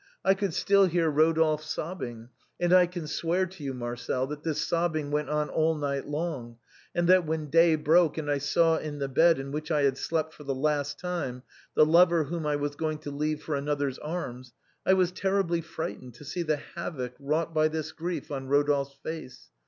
I could still hear Rodolphe sobbing, and I can swear to you, Marcel, that this sobbing went on all night long, and that when day broke and I saw in the bed, in which I had slept for the last time, the lover whom I was going to leave for another's arms, I was terribly frightened to see the havoc wrought by this grief on Rodolphe's face.